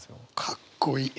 かっこいい。